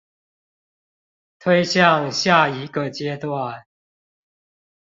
推向下一個階段